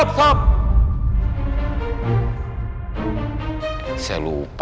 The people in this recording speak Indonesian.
jangan bilang geser vlog ya